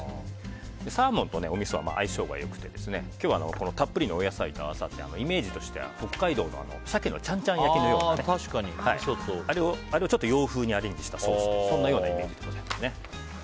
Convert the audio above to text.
サーモンとおみそは相性が良くて今日はたっぷりのお野菜と合わさってイメージとしては北海道の鮭のチャンチャン焼きのようなあれを洋風にアレンジしたようなイメージです。